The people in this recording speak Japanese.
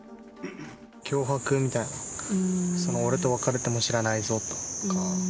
脅迫みたいな、俺と別れても知らないぞとか。